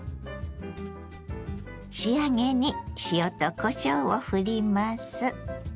仕上げに塩とこしょうをふります。